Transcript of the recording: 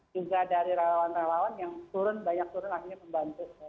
juga dari relawan relawan yang turun banyak turun akhirnya membantu